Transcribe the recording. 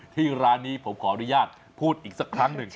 ที่ร้านนี้ผมขออนุญาตพูดอีกสักครั้งหนึ่ง